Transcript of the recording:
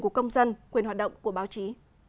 của công dân quyền hoạt động của báo chí